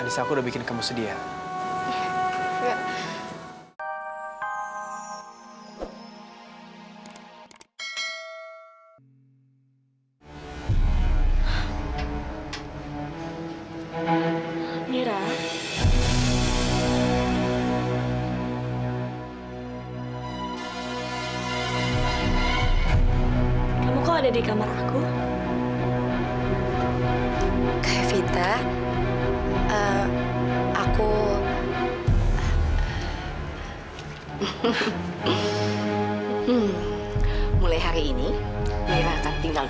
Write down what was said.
sampai jumpa di video selanjutnya